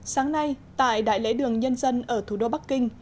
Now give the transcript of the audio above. sáng nay tại đại lễ đường nhân dân ở thủ đô bắc kinh